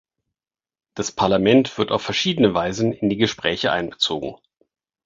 Das Parlament wird auf verschiedene Weisen in die Gespräche einbezogen.